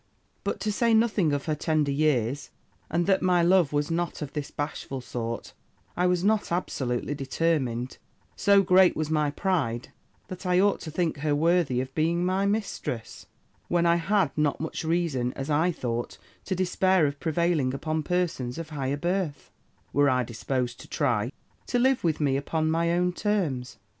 "But, to say nothing of her tender years, and that my love was not of this bashful sort, I was not absolutely determined, so great was my pride, that I ought to think her worthy of being my mistress, when I had not much reason, as I thought, to despair of prevailing upon persons of higher birth (were I disposed to try) to live with me upon my own terms.